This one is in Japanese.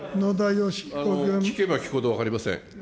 聞けば聞くほど分かりません。